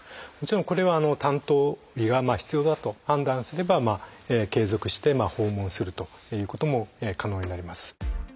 もちろんこれは担当医が必要だと判断すれば継続して訪問するということも可能になります。